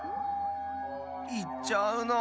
いっちゃうの？